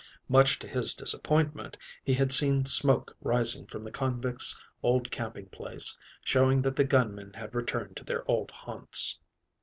Much to his disappointment, he had seen smoke rising from the convicts' old camping place, showing that the gunmen had returned to their old haunts.